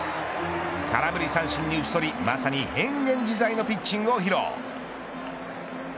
空振り三振に打ち取りまさに変幻自在のピッチングを披露。